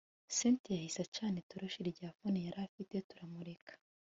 cyntia yahise acana itoroshi rya phone yarafite turamurika